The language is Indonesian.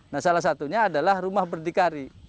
nah salah satunya adalah rumah berdikari